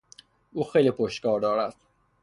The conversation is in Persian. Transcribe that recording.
او خیلی پشتکار دارد.